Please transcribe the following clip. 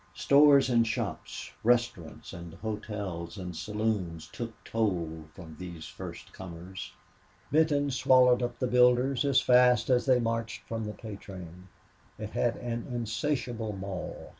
Stores and shops, restaurants and hotels and saloons, took toll from these first comers. Benton swallowed up the builders as fast as they marched from the pay train. It had an insatiable maw.